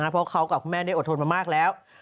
เพราะเขากับคุณแม่ได้อดทนมามากแล้ว